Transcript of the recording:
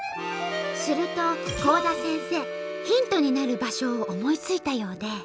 すると幸多先生ヒントになる場所を思いついたようで。